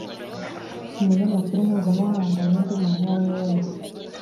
umunyamakuru mpuzamahanga n’undi muntu uwo ari we wese